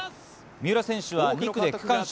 三浦選手は２区で区間賞。